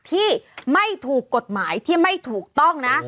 ที่ไม่ถูกกฎหมายที่ไม่ถูกต้องนะ